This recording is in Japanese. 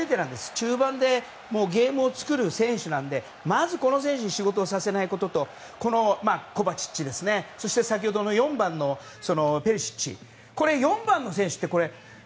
中盤でゲームを作る選手なのでまずこの選手に仕事をさせないこととこのコバチッチそして、先ほどの４番のペリシッチ。